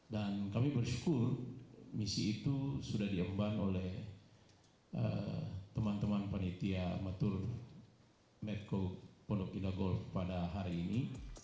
dan kami bersyukur misi itu sudah diemban oleh teman teman panditia matur medco pondok indah golf pada hari ini